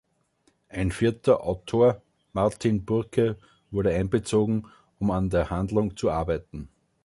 Ein vierter Autor, Martyn Burke, wurde einbezogen, um an der Handlung zu arbeiten.